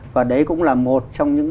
và đấy cũng là một trong những